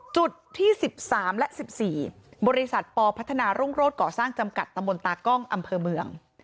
จุดที่๑๓และ๑๔บริษัทปพัฒนารุ่งโรศก่อสร้างจำกัดตำบลตากล้องอำเภอเมือง